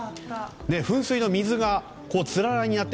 噴水の水がつららになって。